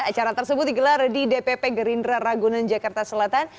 acara tersebut digelar di dpp gerindra ragunan jakarta selatan